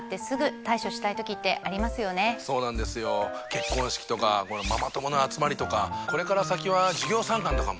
結婚式とかママ友の集まりとかこれから先は授業参観とかも。